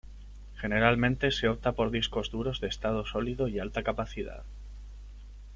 Generalmente se opta por discos duros de estado sólido y alta capacidad.